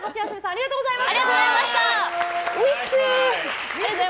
ありがとうございます。